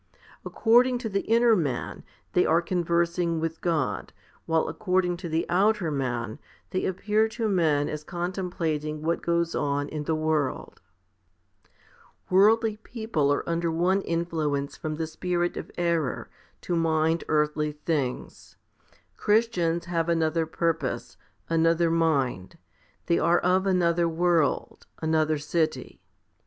According to the inner man they are con versing with God, while according to the outer man they appear to men as contemplating what goes on in the world. 1 Cf. Horn. VIII. 6. L no FIFTY SPIRITUAL HOMILIES 9. Worldly people are under one influence from the spirit of error, to mind earthly things ; Christians have another purpose, another mind ; they are of another world, another city.